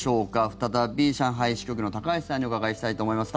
再び上海支局の高橋さんにお伺いしたいと思います。